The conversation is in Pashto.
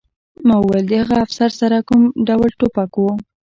ما وویل د هغه افسر سره کوم ډول ټوپک و